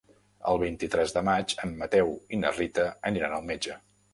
El vint-i-tres de maig en Mateu i na Rita aniran al metge.